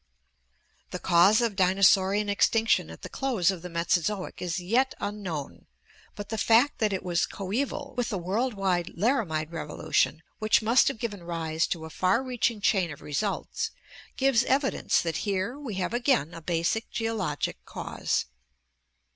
The cause of dinosaurian extinction at the close of the Mesozoic is yet unknown, but the fact that it was coeval with the world wide Laramide Revolution, which must have given rise to a far reaching chain of results, gives evidence that here we have again a basic geologic cause.